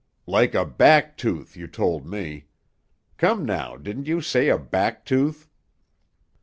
"Like a back tooth, you told me. Come now, didn't you say a back tooth?"